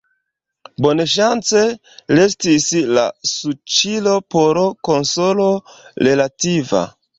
Bonŝance, restis la suĉilo por konsolo relativa.